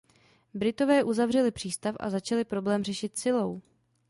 Britové uzavřeli přístav a začali problém řešit silou.